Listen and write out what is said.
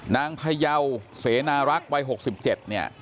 พยาวเสนารักษ์วัย๖๗เนี่ย